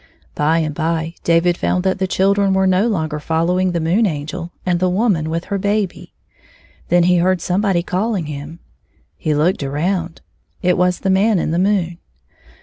By and by David found that the children were no longer following the Moon Angel and the woman with her baby. Then he heard somebody calling him. He looked around ; it was the Man in the moon.